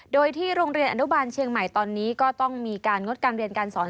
โดยที่โรงเรียนอนุบาลเชียงใหม่ตอนนี้ก็ต้องมีการงดการเรียนการสอน